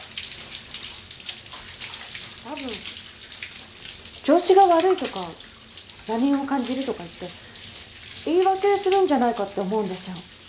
多分調子が悪いとか邪念を感じるとか言って言い訳するんじゃないかって思うんですよ。